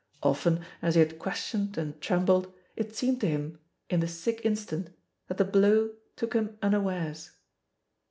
Often as he had questioned and trembled, it seemed to him, in the sick in stant, that the blow took him unawares.